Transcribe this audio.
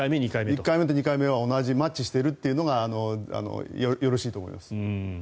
１回目と２回目は同じ、マッチしているのがいいかと思います。